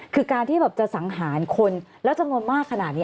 คือการที่แบบจะสังหารคนแล้วจำนวนมากขนาดนี้